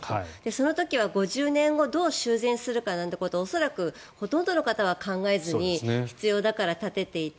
その時は５０年後どう修繕するかなんてこと恐らく、ほとんどの方は考えずに必要だから建てていて。